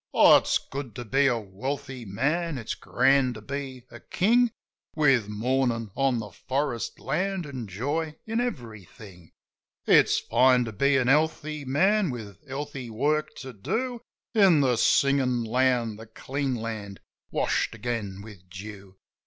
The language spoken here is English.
Oh, it's good to be a wealthy man, it's grand to be a king With mornin' on the forest land an' joy in everything. It's fine to be a healthy man with healthy work to do In the singin' land, the clean land, washed again with dew.